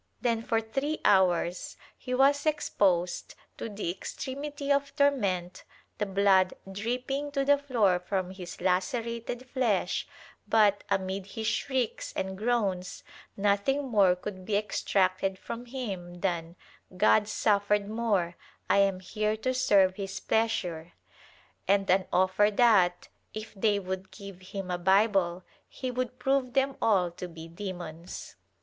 Then for three hours he was exposed to the extremity of torment, the blood dripping to the floor from his lacerated flesh, but, amid his shrieks and groans, nothing more could be extracted from him than ''God suffered more; I am here to serve his pleasure" and an offer that, if they would give him a Bible, he would prove them all to be demons.